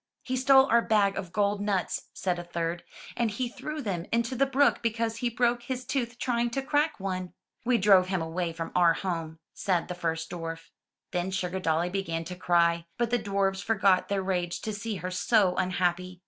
He stole our bag of gold nuts/' said a third, *'and he threw them into the brook because he broke his tooth trying to crack one." ''We drove him away from our home," said the first dwarf. Then SugardoUy began to cry, but the dwarfs forgot their rage to see her so unhappy.